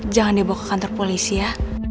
jangan dibawa ke kantor polisi ya